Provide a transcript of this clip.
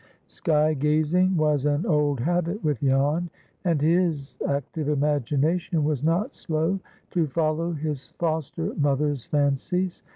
Sky gazing was an old habit with Jan, and his active imagination was not slow to follow his foster mother's fancies.